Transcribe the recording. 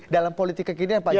dalam politik kekinian pak jokowi